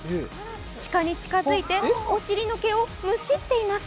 鹿に近づいてお尻の毛をむしっています。